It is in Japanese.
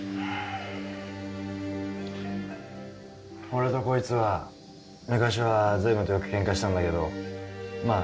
俺とこいつは昔はずいぶんとよくケンカしたんだけどまあ